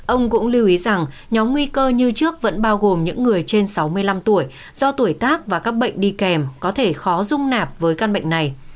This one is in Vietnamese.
ông cũng lưu ý rằng nhóm nguy cơ như trước vẫn bao gồm những người trên sáu mươi năm tuổi do tuổi tác và các bệnh đi kèm có thể khó dung nạp với căn bệnh này